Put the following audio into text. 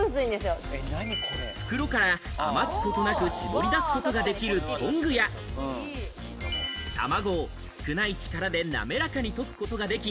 袋から余すことなく絞り出すことができるトングや卵を少ない力で滑らかにとくことができ、